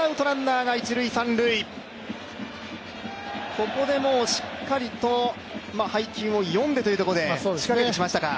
ここでもしっかりと配球を読んでというところで仕掛けてきましたか。